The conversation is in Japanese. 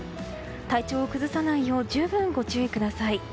体調を崩さないよう十分ご注意ください。